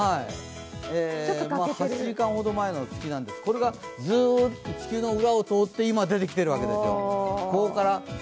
８時間ほど前の月なんですが、これがずーっと地球の裏をとおって、今、出てきているわけですよ。